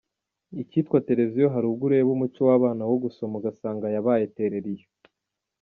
Icyitwa Televiziyo hari ubwo ureba umuco w’abana wo gusoma ugasanga yabaye terera iyo.